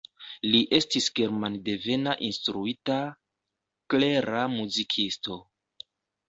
Li estis germandevena instruita, klera muzikisto.